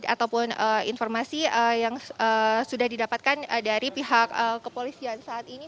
ataupun informasi yang sudah didapatkan dari pihak kepolisian saat ini